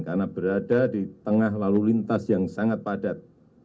karena berada di tengah lalu lintas yang sangat padat